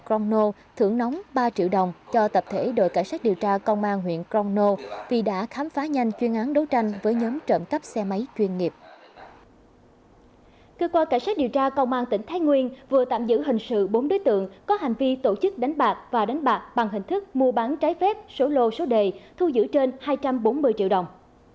cơ quan cảnh sát điều tra công an tỉnh thái nguyên vừa tạm giữ hình sự bốn đối tượng có hành vi tổ chức đánh bạc và đánh bạc bằng hình thức mua bán trái phép số lô số đề thu giữ trên hai trăm bốn mươi triệu đồng